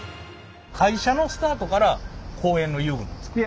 会社のスタートから公園の遊具なんですか？